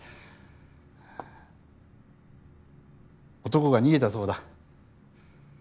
男が逃げたそうだ。